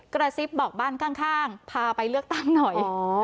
กระซิบบอกบ้านข้างพาไปเลือกตั้งหน่อย